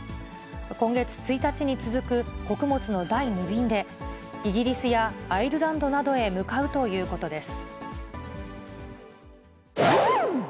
今月１日に続く穀物の第２便で、イギリスやアイルランドなどへ向かうということです。